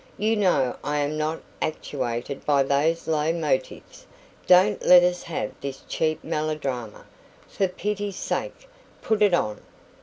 "You know I am not actuated by those low motives. DON'T let us have this cheap melodrama, for pity's sake! Put it on."